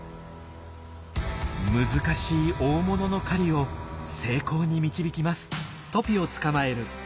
難しい大物の狩りを成功に導きます。